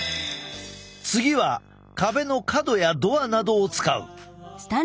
次は壁の角やドアなどを使う。